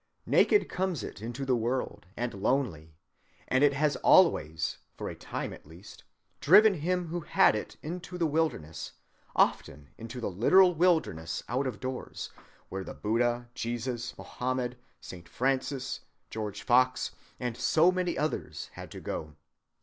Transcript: Naked comes it into the world and lonely; and it has always, for a time at least, driven him who had it into the wilderness, often into the literal wilderness out of doors, where the Buddha, Jesus, Mohammed, St. Francis, George Fox, and so many others had to go.